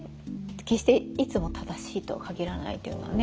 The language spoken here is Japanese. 決していつも正しいとは限らないっていうのはありますもんね。